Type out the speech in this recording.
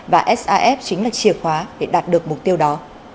và s a f chính là chìa khóa để đạt được mục tiêu đó